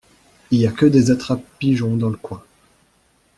Y a que des attrapes-pigeons dans le coin.